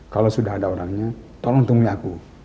kalau sudah ada orangnya tolong temui aku